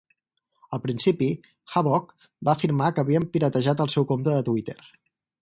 Al principi, Havoc va afirmar que havien piratejat el seu compte de Twitter.